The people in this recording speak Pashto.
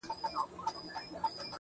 مونږه درتلے نه شو يارانو په لار ډزۍ کېدې